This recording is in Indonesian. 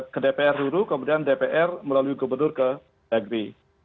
ke dpr dulu kemudian dpr melalui gubernur ke dagri